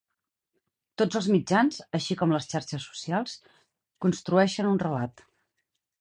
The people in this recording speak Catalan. Tots els mitjans, així com les xarxes socials, construeixen un relat.